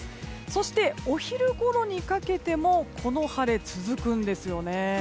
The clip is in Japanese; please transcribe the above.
そして、お昼ごろにかけてもこの晴れは続くんですよね。